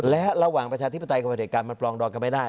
และระหว่างประชาธิปไตการมันปรองดองกันไม่ได้